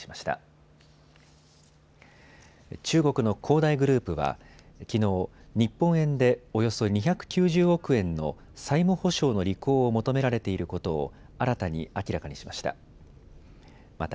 大グループはきのう、日本円でおよそ２９０億円の債務保証の履行を求められていることを新たに明らかにしました。